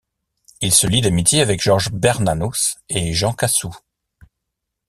Il se lie d'amitié avec Georges Bernanos et Jean Cassou.